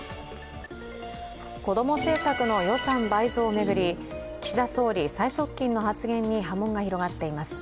こども政策の予算倍増を巡り、岸田総理最側近の発言に波紋が広がっています。